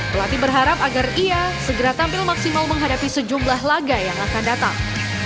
pelatih berharap agar ia segera tampil maksimal menghadapi sejumlah laga yang akan datang